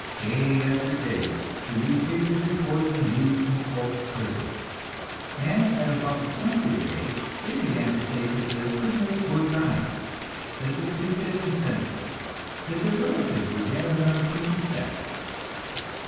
Day after day the newspapers reported the news from Cork prison, and at about the twentieth day they began to state that the prisoners were dying, that the priest had been sent for, that their relatives were gathered on the prison steps.